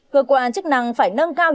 cơ quan chức năng phải nâng cao